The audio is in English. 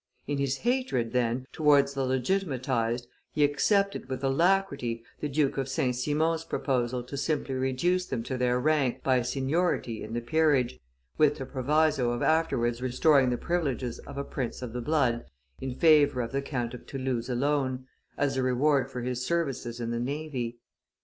In his hatred, then, towards the legitimatized, he accepted with alacrity the Duke of St. Simon's proposal to simply reduce them to their rank by seniority in the peerage, with the proviso of afterwards restoring the privileges of a prince of the blood in favor of the Count of Toulouse alone, as a reward for his services in the navy.